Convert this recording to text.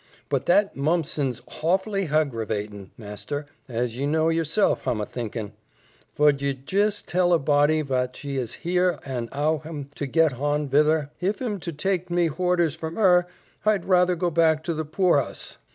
"But that Mumpson's hawfully haggravatin', master, as ye know yeself, hi'm a thinkin'. Vud ye jis tell a body vat she is 'here, han 'ow hi'm to get hon vith 'er. Hif hi'm to take me horders from 'er, hi'd ruther go back to the poor 'us."